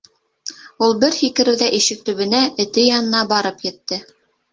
Ул бер һикереүҙә ишек төбөнә, эте янына, барып етте.